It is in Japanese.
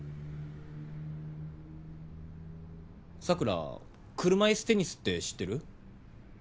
桜車いすテニスって知ってる？